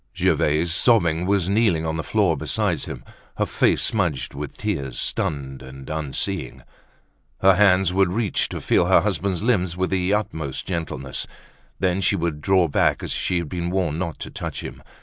Gervaise, sobbing, was kneeling on the floor beside him, her face smudged with tears, stunned and unseeing. Her hands would reach to feel her husband's limbs with the utmost gentleness. Then she would draw back as she had been warned not to touch him.